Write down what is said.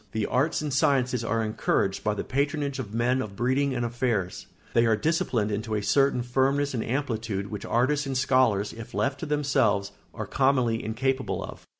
The arts and sciences are encouraged by the patronage of men of breeding and affairs; they are disciplined into a certain firmness and amplitude which artists and scholars, if left to themselves, are commonly incapable of.